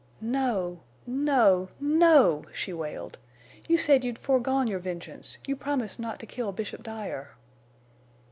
"No—no—no!" she wailed. "You said you'd foregone your vengeance. You promised not to kill Bishop Dyer."